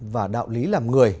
và đạo lý làm người